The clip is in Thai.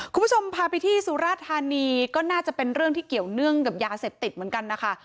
คุณผู้ชมพาไปที่สุราธานีก็น่าจะเป็นเรื่องที่เกี่ยวเนื่องกับยาเสพติดเหมือนกันนะคะ